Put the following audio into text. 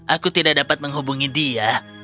aku tidak dapat menghubungi dia